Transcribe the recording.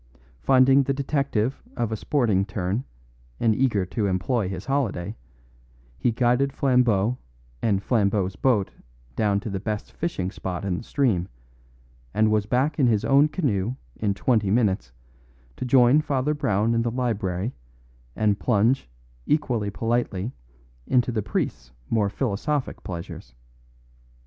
Finding the detective of a sporting turn and eager to employ his holiday, he guided Flambeau and Flambeau's boat down to the best fishing spot in the stream, and was back in his own canoe in twenty minutes to join Father Brown in the library and plunge equally politely into the priest's more philosophic pleasures.